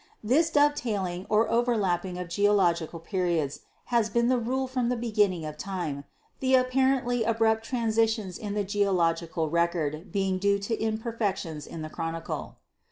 This dovetailing or overlapping of geological periods has been the rule from the beginning of time, the apparently abrupt transitions in the geological record being due to imper fections in the chronicle.